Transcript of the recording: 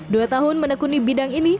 dua tahun menekuni bidang ini